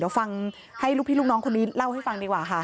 เดี๋ยวฟังให้ลูกพี่ลูกน้องคนนี้เล่าให้ฟังดีกว่าค่ะ